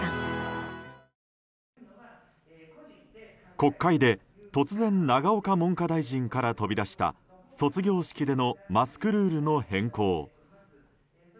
国会で突然永岡文科大臣から飛び出した卒業式でのマスクルールの変更。